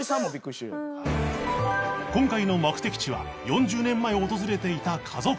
今回の目的地は４０年前訪れていた家族風呂